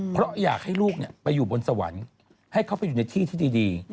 เพราะอยากให้ลูกไปอยู่บนสวรรค์ให้เขาไปอยู่ในที่ที่ดี